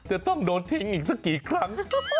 จะต้องโดนทิ้งอีกสักกี่ครั้ง